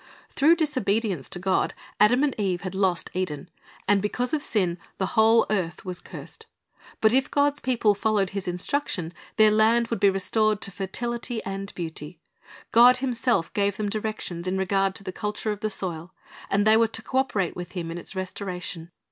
Through disobedience to God, Adam and Eve had lost Eden, and because of sin the whole earth was cursed. But if God's people followed His instruction, their land would be restored to fertility and beauty. God Himself gave them directions in regard to the culture of the soil, and they were to co operate with Him in its restoration.